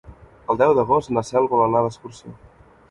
El deu d'agost na Cel vol anar d'excursió.